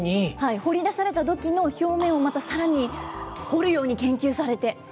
掘り出された土器の表面をまたさらに掘るように研究されて。